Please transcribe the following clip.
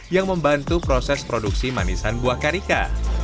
yang membantu proses produksi manisan buah karika